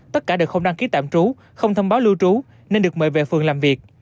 tất cả đều không đăng ký tạm trú không thông báo lưu trú nên được mời về phường làm việc